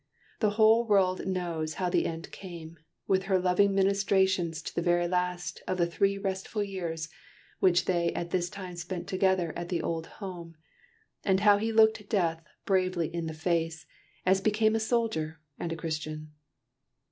The whole world knows how the end came, with her loving ministrations to the very last of the three restful years which they at this time spent together at the old home, and how he looked Death bravely in the face, as became a soldier and a Christian.